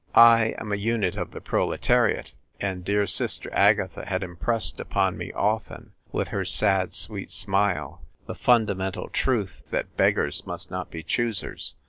I am a unit of the proletariat, and dear Sister Agatha had impressed upon me often, with lier sad, sweet smile, the fundamental truth that beg gars must not be choosers.